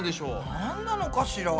なんなのかしら？